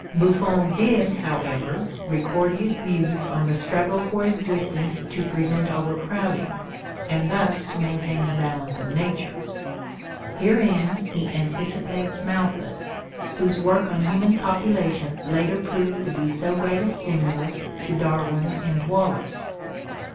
Buffon did, however, record his views on the struggle for existence to prevent overcrowding and thus to main tain the balance of nature. Herein he anticipates Malthus, whose work on human population later proved to be so great a stimulus to Darwin and Wallace.